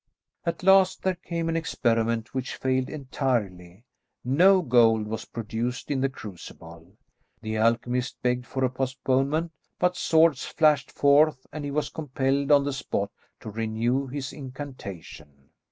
At last there came an experiment which failed entirely; no gold was produced in the crucible. The alchemist begged for a postponement, but swords flashed forth and he was compelled on the spot to renew his incantation.